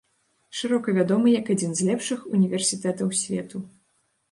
Шырока вядомы як адзін з лепшых універсітэтаў свету.